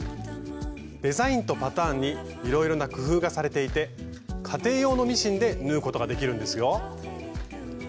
デザインとパターンにいろいろな工夫がされていて家庭用のミシンで縫うことができるんですよ。